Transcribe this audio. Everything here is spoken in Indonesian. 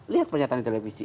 lihat pernyataan di televisi